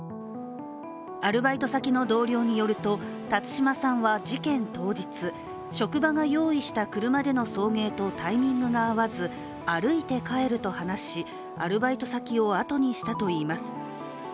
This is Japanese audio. アルバイト先の同僚によると辰島さんは事件当日職場が用意した車での送迎とタイミングが合わず歩いて帰ると話し、アルバイト先をあとにしたといいます。